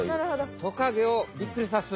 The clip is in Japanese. トカゲをびっくりさす。